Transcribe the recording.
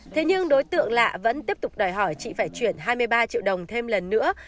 thế nhưng đối tượng lạ vẫn tiếp tục đòi hỏi chị phải chuyển hai mươi ba triệu đồng thêm lần nữa